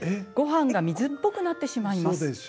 ごはんが水っぽくなってしまいます。